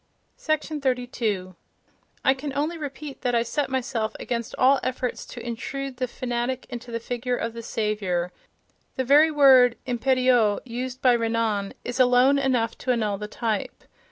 — 32. I can only repeat that I set myself against all efforts to intrude the fanatic into the figure of the Saviour: the very word impérieux, used by Renan, is alone enough to annul the type.